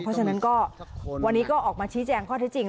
เพราะฉะนั้นก็วันนี้ก็ออกมาชี้แจงข้อเท็จจริง